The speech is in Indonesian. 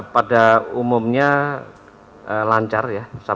pada umumnya lancar ya